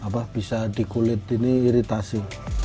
bisa dikulit ini iritasi